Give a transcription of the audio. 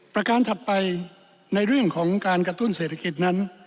ประการถัดไปในเรื่องของการกระตุ้นเศรษฐกิจนั้น